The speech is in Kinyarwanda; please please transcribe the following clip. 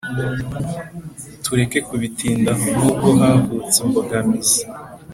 tureke kubitindaho! nubwo havutse imbogamizi